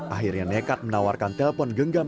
akhirnya nekat menawarkan telpon genggam